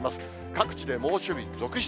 各地で猛暑日続出。